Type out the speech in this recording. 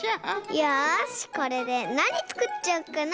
よしこれでなにつくっちゃおっかな。